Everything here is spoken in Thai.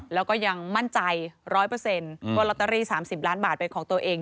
แล้วก็ยังมั่นใจ๑๐๐ว่าลอตเตอรี่๓๐ล้านบาทเป็นของตัวเอง